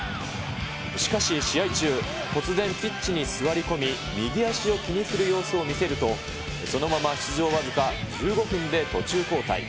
しかし、試合中、突然、ピッチに座り込み、右足を気にする様子を見せると、そのまま出場僅か１５分で途中交代。